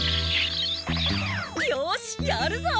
よしやるぞ！